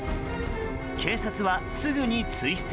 警察は、すぐに追跡。